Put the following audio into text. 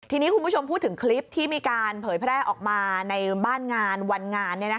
ทีนี้คุณผู้ชมพูดถึงคลิปที่มีการเผยแพร่ออกมาในบ้านงานวันงาน